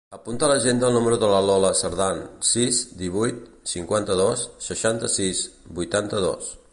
Apunta a l'agenda el número de la Lola Cerdan: sis, divuit, cinquanta-dos, seixanta-sis, vuitanta-dos.